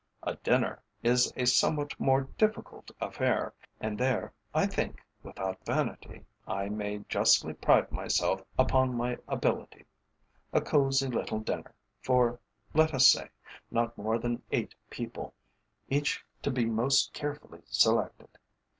A dinner is a somewhat more difficult affair, and there, I think, without vanity, I may justly pride myself upon my ability. A cosy little dinner for, let us say, not more than eight people, each to be most carefully selected.